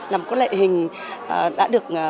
làm có lệ hình đã được